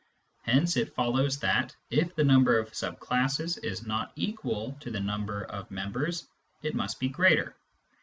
Hence it follows that, if the number of sub classes is not equal to the number of members, it must be greater.